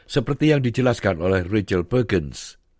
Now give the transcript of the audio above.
seperti yang dijelaskan oleh rachel bergens